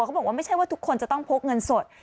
เขาบอกว่าไม่ใช่ว่าทุกคนจะต้องพกเงินสด